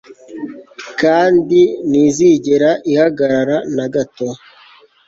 Kandi ntizigera ihagarara na gato